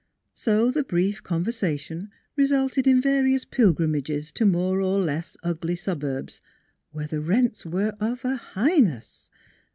So the brief conversation resulted in various pilgrimages to more or less ugly suburbs where the rents were of a highness!